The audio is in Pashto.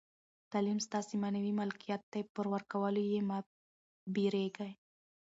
تعلیم ستاسي معنوي ملکیت دئ، پر ورکولو ئې مه بېرېږئ!